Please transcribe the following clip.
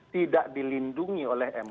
tidak dilindungi oleh mk